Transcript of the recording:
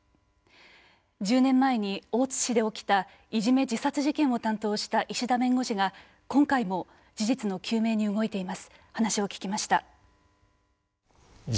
１０年前に大津市で起きたいじめ自殺事件を担当した石田弁護士が今回も事実の究明に動いています。